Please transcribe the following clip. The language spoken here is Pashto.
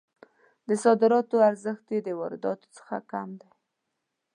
د صادراتو ارزښت یې د وارداتو څخه کم دی.